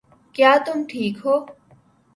کیا تم ٹھیک ہو